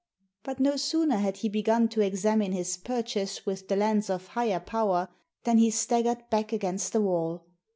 But no sooner had he begun to examine his purchase with the lens of higher power than he staggered back against the wall.